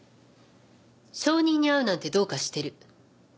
証人に会うなんてどうかしてる。